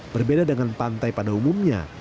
berbeda dengan pantai pada umumnya